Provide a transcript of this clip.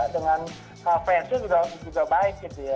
dengan fans itu juga baik